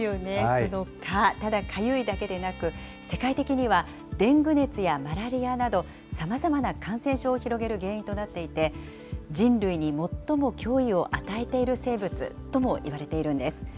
その蚊、ただ、かゆいだけでなく、世界的には、デング熱やマラリアなど、さまざまな感染症を広げる原因となっていて、人類に最も脅威を与えている生物ともいわれているんです。